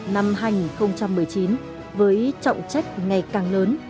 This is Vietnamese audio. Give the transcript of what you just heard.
năm hai nghìn một mươi chín với trọng trách ngày càng lớn